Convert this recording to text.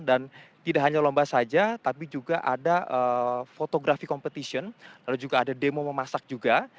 dan tidak hanya lomba saja tapi juga ada fotografi competition lalu juga ada demo memasak juga